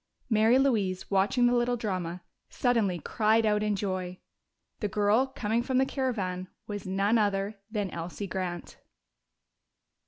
Mary Louise, watching the little drama, suddenly cried out in joy. The girl coming from the caravan was none other than Elsie Grant!